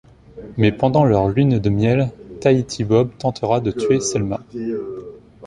Mais pendant leur lune de miel, Tahiti Bob tentera de tuer Selma.